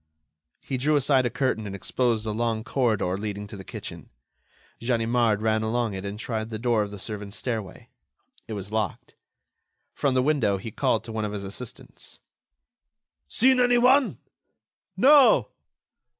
He drew aside a curtain and exposed a long corridor leading to the kitchen. Ganimard ran along it and tried the door of the servants' stairway. It was locked. From the window he called to one of his assistants: "Seen anyone?" "No."